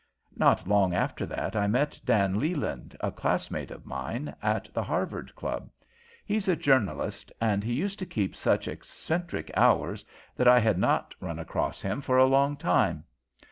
"Not long after that I met Dan Leland, a classmate of mine, at the Harvard Club. He's a journalist, and he used to keep such eccentric hours that I had not run across him for a long time.